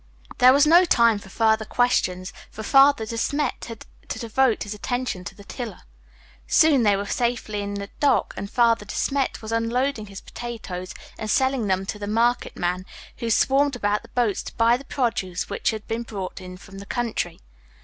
There was no time for further questions, for Father De Smet had to devote his attention to the tiller. Soon they were safely in dock and Father De Smet was unloading his potatoes and selling them to the market men, who swarmed about the boats to buy the produce which had been brought in from the country.